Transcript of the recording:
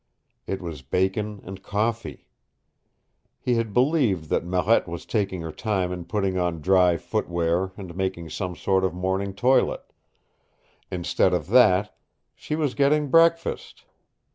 It was bacon and coffee! He had believed that Marette was taking her time in putting on dry footwear and making some sort of morning toilet. Instead of that, she was getting breakfast.